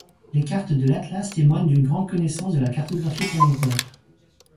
Les cartes de l'atlas témoignent d'une grande connaissance de la cartographie planétaire.